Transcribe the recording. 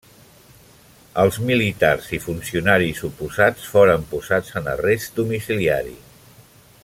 Els militars i funcionaris oposats foren posats en arrest domiciliari.